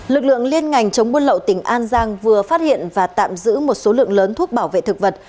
lực lượng liên ngành chống buôn lậu tỉnh an giang vừa phát hiện và tạm giữ một số lượng lớn thuốc bảo vệ thực vật